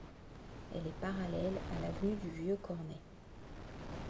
Elle est parallèle à l'avenue du Vieux Cornet.